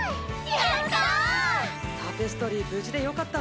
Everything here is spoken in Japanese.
やった！